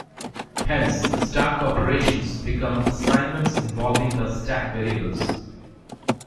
Hence stack operations become assignments involving the stack variables.